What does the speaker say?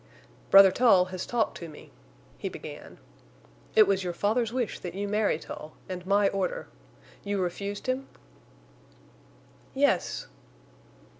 "Brother Tull has talked to me," he began. "It was your father's wish that you marry Tull, and my order. You refused him?" "Yes."